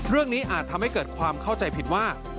อาจทำให้เกิดความเข้าใจผิดว่า